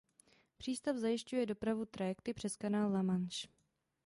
Přístav zajišťuje dopravu trajekty přes kanál La Manche.